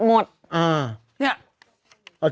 ของพี่มดก็คือติดหมด